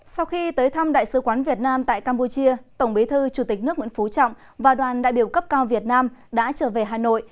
sau khi tới thăm đại sứ quán việt nam tại campuchia tổng bí thư chủ tịch nước nguyễn phú trọng và đoàn đại biểu cấp cao việt nam đã trở về hà nội